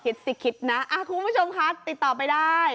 คิดสิคิดนะคุณผู้ชมคะติดต่อไปได้